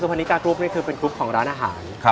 พนิกากรุ๊ปนี่คือเป็นกรุ๊ปของร้านอาหาร